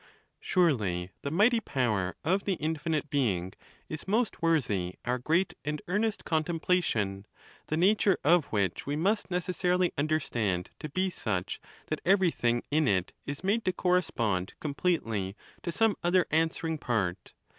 XIX. Surely the mighty power of the Infinite Being is most worthy our great and earnest contemplation; the nature of which we must necessarily understand to be such that everything in it is made to correspond complete ly to some other answering part.